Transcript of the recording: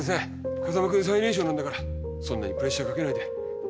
風真君最年少なんだからそんなにプレッシャーかけないで。